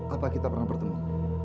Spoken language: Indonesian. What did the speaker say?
apa kita pernah bertemu